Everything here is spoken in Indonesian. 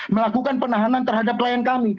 melakukan penahanan terhadap klien kami